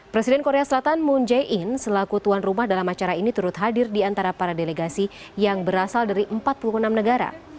presiden korea selatan moon jae in selaku tuan rumah dalam acara ini turut hadir di antara para delegasi yang berasal dari empat puluh enam negara